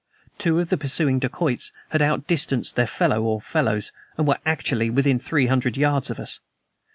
Two of the pursuing dacoits had outdistanced their fellow (or fellows), and were actually within three hundred yards of us.